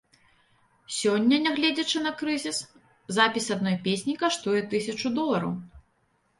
Сёння, нягледзячы на крызіс, запіс адной песні каштуе тысячу долараў.